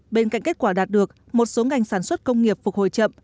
bên cạnh kết quả đạt được một số ngành sản xuất công nghiệp phục hồi chậm